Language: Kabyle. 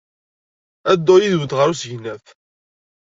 Ad dduɣ yid-went ɣer usegnaf.